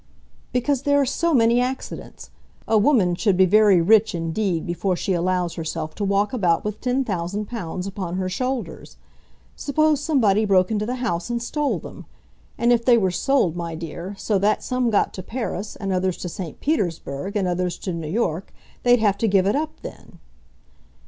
"Because there are so many accidents. A woman should be very rich indeed before she allows herself to walk about with ten thousand pounds upon her shoulders. Suppose somebody broke into the house and stole them. And if they were sold, my dear, so that some got to Paris, and others to St. Petersburg, and others to New York, they'd have to give it up then."